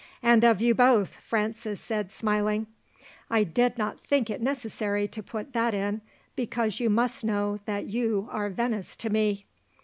"And of you both," Francis said smiling. "I did not think it necessary to put that in, because you must know that you are Venice to me."